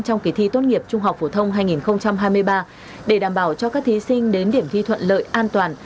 trong kỳ thi tốt nghiệp trung học phổ thông hai nghìn hai mươi ba để đảm bảo cho các thí sinh đến điểm thi thuận lợi an toàn